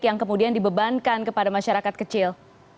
yang kemudian dibebankan kepada masyarakat kecil